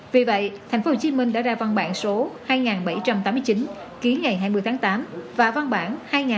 vì vậy thành phố hồ chí minh đã ra văn bản số hai nghìn bảy trăm tám mươi chín ký ngày hai mươi tháng tám và văn bản hai nghìn bảy trăm chín mươi sáu